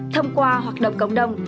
thông qua hoạt động cộng đồng